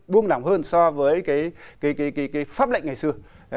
bung nỏng hơn so với cái pháp lệnh ngày xưa